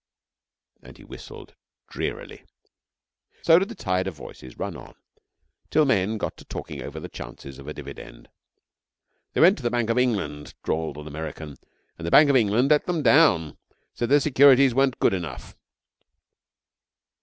and he whistled drearily. So did the tide of voices run on till men got to talking over the chances of a dividend, 'They went to the Bank of England,' drawled an American, 'and the Bank of England let them down; said their securities weren't good enough.'